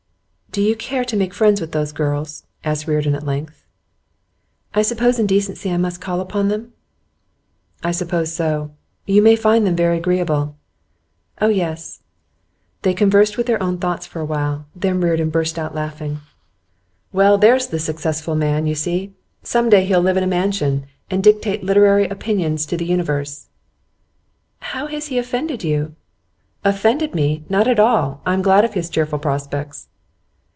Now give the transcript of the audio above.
'Do you care to make friends with those girls?' asked Reardon at length. 'I suppose in decency I must call upon them?' 'I suppose so.' 'You may find them very agreeable.' 'Oh yes.' They conversed with their own thoughts for a while. Then Reardon burst out laughing. 'Well, there's the successful man, you see. Some day he'll live in a mansion, and dictate literary opinions to the universe.' 'How has he offended you?' 'Offended me? Not at all. I am glad of his cheerful prospects.